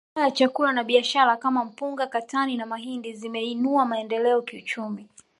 Mazao ya chakula na biashara kama mpunga katani na mahindi zimeinua maendeleo kiuchumi